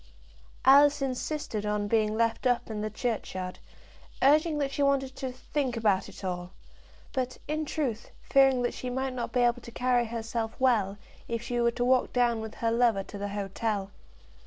Alice insisted on being left up in the churchyard, urging that she wanted to "think about it all," but, in truth, fearing that she might not be able to carry herself well, if she were to walk down with her lover to the hotel.